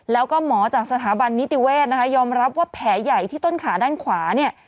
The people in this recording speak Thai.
แล้วก็หมอจากสถาบันนิติเวศนะคะยอมรับว่าแผลใหญ่ที่ต้นขาด้านขวาเนี่ย